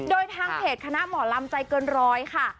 โดยทางเพจคณะหมอลำใจเกินร้อยค่ะ